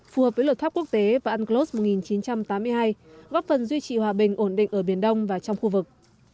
phù hợp với luật pháp quốc tế và unclos một nghìn chín trăm tám mươi hai góp phần duy trì hòa bình ổn định ở biển đông và trong khu vực